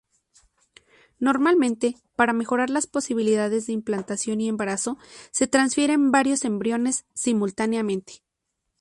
Normalmente, para mejorar las posibilidades de implantación y embarazo, se transfieren varios embriones simultáneamente.